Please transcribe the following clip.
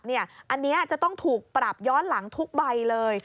อันนี้จะต้องถูกปรับย้อนหลังทุกใบเลย